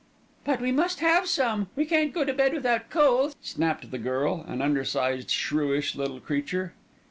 "But we must have some, we can't go to bed without coal," snapped the girl, an undersized, shrewish little creature.